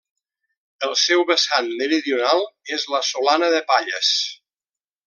El seu vessant meridional és la Solana de Palles.